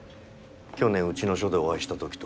去年うちの署でお会いしたときと。